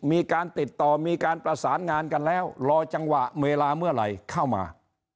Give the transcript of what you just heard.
มีการติดต่อมีการประสานงานกันแล้วรอจังหวะเวลาเมื่อไหร่เข้ามา